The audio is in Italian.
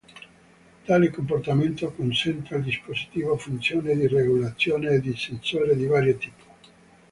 Tale comportamento consente al dispositivo funzioni di regolazione e di sensore di vario tipo.